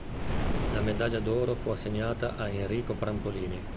La medaglia d'oro fu assegnata a Enrico Prampolini.